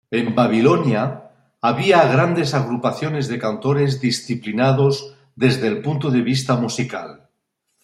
En Babilonia, había grandes agrupaciones de cantores disciplinados desde el punto de vista musical.